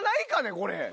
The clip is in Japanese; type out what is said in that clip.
これ。